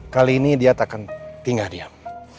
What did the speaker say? kali ini dia tak akan tinggal diam